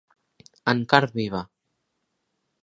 En carn viva.